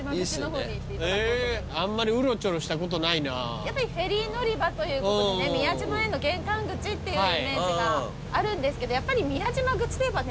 やっぱりフェリー乗り場ということでね宮島への玄関口っていうイメージがあるんですけどやっぱり宮島口ではね